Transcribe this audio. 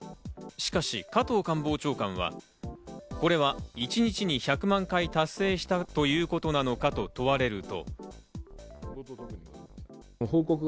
しかし加藤官房長官はこれは一日に１００万回達成したということなのか？と問われると。